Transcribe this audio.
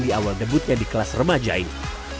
di awal debutnya di kelas remaja ini